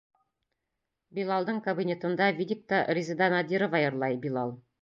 Билалдың кабинетында видикта Резеда Надирова йырлай, Билал.